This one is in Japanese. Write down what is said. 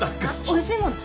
おいしいもの